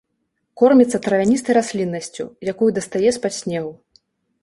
Корміцца травяністай расліннасцю, якую дастае з-пад снегу.